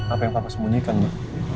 apa yang papa sembunyikan ma